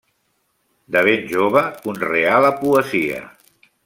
De ben jove, conreà la poesia.